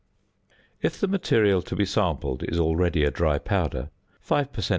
] If the material to be sampled is already a dry powder, 5 per cent.